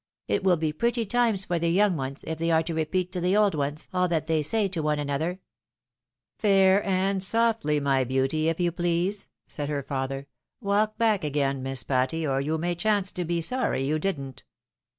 It will be pretty times for the young ones, if they are to repeat to the old ones, all that they say to one another !"" Fair and softly, my beauty, if you please," said her father. " Walk back again, Miss Patty, or you may chance to be sorry you didn't."